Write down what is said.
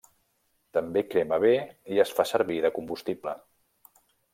També crema bé i es fa servir de combustible.